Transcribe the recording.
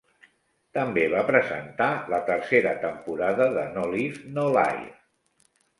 També va presentar la tercera temporada de "No Leave, No Life".